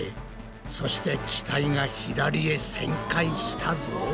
そして機体が左へ旋回したぞ。